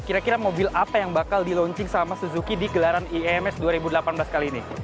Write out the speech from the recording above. kira kira mobil apa yang bakal di launching sama suzuki di gelaran iems dua ribu delapan belas kali ini